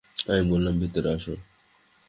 আমি বললাম, ভেতরে আসো।